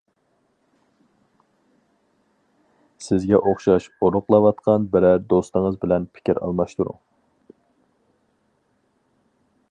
سىزگە ئوخشاش ئورۇقلاۋاتقان بىرەر دوستىڭىز بىلەن پىكىر ئالماشتۇرۇڭ.